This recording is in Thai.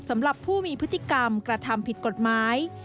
สำหรับผู้มีพฤติกรรมกระทำผิดกฎหมาย